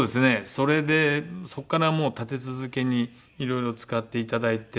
それでそこからもう立て続けにいろいろ使っていただいて。